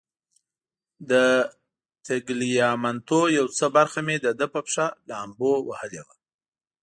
د تګلیامنتو یو څه برخه مې د ده په پښه لامبو وهلې وه.